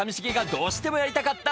どうしてもやりたかった